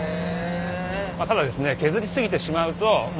ただですね